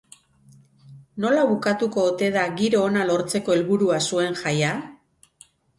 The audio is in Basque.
Nola bukatuko ote da giro ona lortzeko helburua zuen jaia?